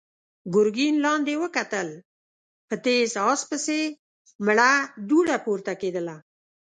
ګرګين لاندې وکتل، په تېز آس پسې مړه دوړه پورته کېدله.